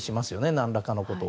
何らかのことを。